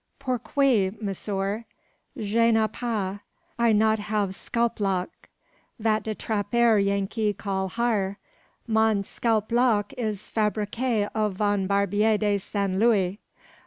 "Pourquoi, monsieur, je n'ai pas. I not haves scalp lock: vat de trappare Yankee call `har,' mon scalp lock is fabrique of von barbier de Saint Louis.